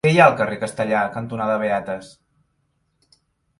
Què hi ha al carrer Castellar cantonada Beates?